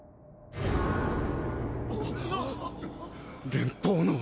連邦の。